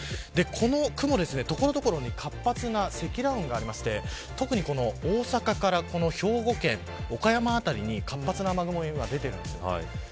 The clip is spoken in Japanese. この雲所々に活発な積乱雲があって特にこの大阪から兵庫県岡山辺りに活発な雨雲が出ています。